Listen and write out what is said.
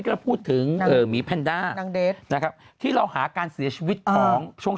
ก็พูดถึงหมีแพนด้านางเดชนะครับที่เราหาการเสียชีวิตของช่วง